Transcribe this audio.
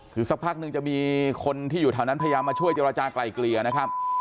คือสักพักนึงจะมีคนที่อยู่แถวนั้นพยายามมาช่วยเจรจากลายเกลี่ยนะครับ